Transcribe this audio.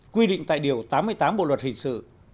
quy định tại điều tám mươi tám bộ luật hình sự